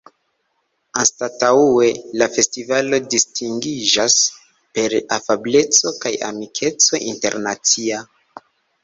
Anstataŭe, la festivalo distingiĝas per afableco kaj amikeco internacia.